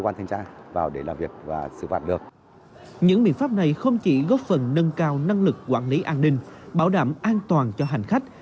những biện pháp này không chỉ góp phần nâng cao năng lực quản lý an ninh bảo đảm an toàn cho hành khách